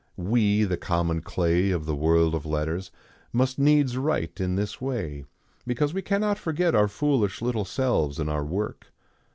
We, the common clay of the world of letters, must needs write in this way, because we cannot forget our foolish little selves in our work.